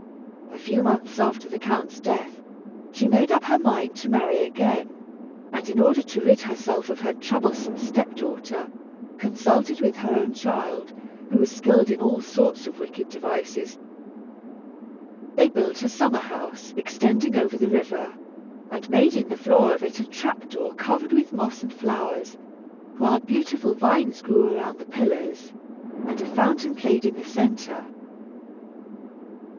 A few months after the Count's death, she made up her mind to marry again, and in order to rid herself of her troublesome step daughter, consulted with her own child, who was skilled in all sorts of wicked devices. They built a summer house extending over the river, and made in the floor of it a trap door covered with moss and flowers, while beautiful vines grew around the pillars, and a fountain played in the centre.